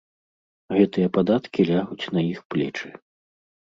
Гэтыя падаткі лягуць на іх плечы.